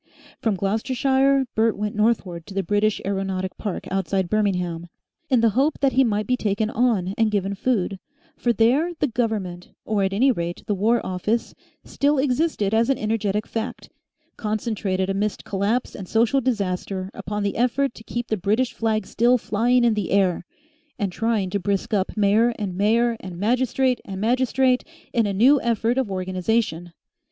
From Gloucestershire Bert went northward to the British aeronautic park outside Birmingham, in the hope that he might be taken on and given food, for there the Government, or at any rate the War Office, still existed as an energetic fact, concentrated amidst collapse and social disaster upon the effort to keep the British flag still flying in the air, and trying to brisk up mayor and mayor and magistrate and magistrate in a new effort of organisation.